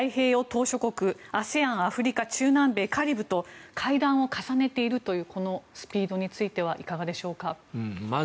島しょ国ＡＳＥＡＮ、中南米カリブと会談を重ねているというスピードについてはいかがでしょう。